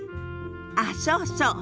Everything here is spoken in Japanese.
あっそうそう。